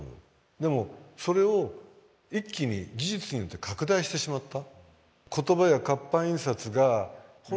でもそれを一気に技術によって拡大してしまった。